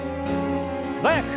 素早く。